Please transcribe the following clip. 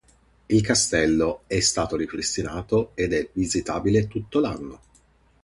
Il castello è stato ripristinato ed è visitabile tutto l'anno.